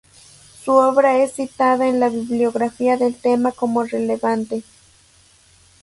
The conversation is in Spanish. Su obra es citada en la bibliografía del tema como relevante.